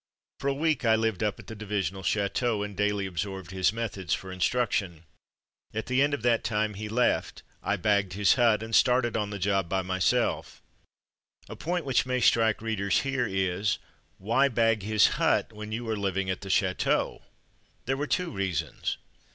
For a week I lived up at the divisional chateau, and daily absorbed his methods for instruction. At the end of that time he left, I bagged his hut, and started on the job by myself. I Dig Myself In 43 A point which may strike readers here is, "Why bag his hut when you are living at the chateau?'' There were two reasons.